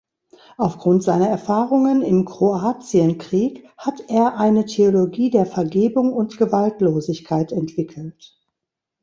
Aufgrund seiner Erfahrungen im Kroatienkrieg hat er eine Theologie der Vergebung und Gewaltlosigkeit entwickelt.